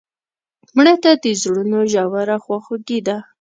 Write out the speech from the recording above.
مړه ته د زړونو ژوره خواخوږي ده